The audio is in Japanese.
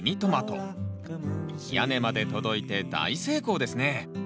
屋根まで届いて大成功ですね。